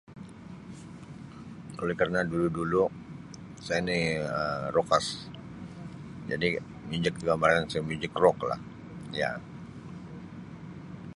Oleh kerna dulu-dulu saya ni Um rockers jadi muzik kegemaran saya muzik rock lah ya.